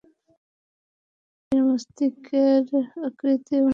তবে প্রাণীটির মস্তিষ্কের আকৃতি এবং শরীরের ওপরের অংশ অনেকটা আদি মানুষের মতো।